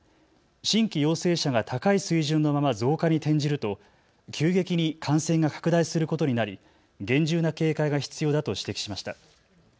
新規陽性者が高い水準のまま増加に転じると急激に感染が拡大することになり厳重な警戒が必要だと指摘しました。